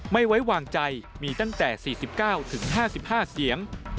ไม่ไว้วางใจมีตั้งแต่๔๙๕๕เสียง